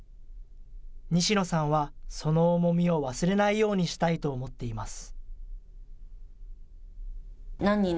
西野さんは、その重みを忘れないようにしたいと思っています。